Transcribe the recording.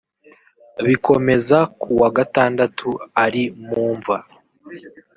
bikomeza ku wa gatandatu ari mumva